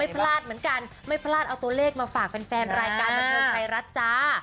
ไม่พลาดเหมือนกันไม่พลาดเอาตัวเลขมาฝากเป็นแฟนรายการมันเที่ยวใครรัดจ้า